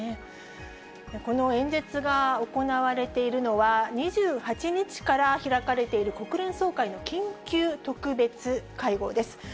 この演説が行われているのは、２８日から開かれている国連総会の緊急特別会合です。